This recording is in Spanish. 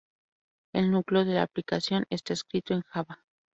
El núcleo de la aplicación está escrito en Java.